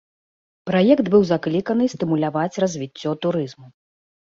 Праект быў закліканы стымуляваць развіццё турызму.